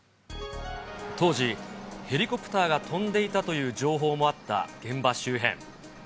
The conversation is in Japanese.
当時、ヘリコプターが飛んでいたという情報もあった現場周辺。